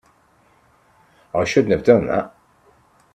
I shouldn't have done that.